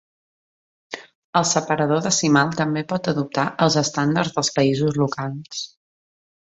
El separador decimal també pot adoptar els estàndards dels països locals.